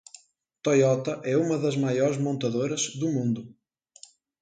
Toyota é uma das maiores montadoras do mundo.